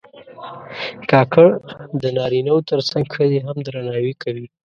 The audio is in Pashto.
کاکړ د نارینه و تر څنګ ښځې هم درناوي کوي.